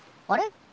あれ？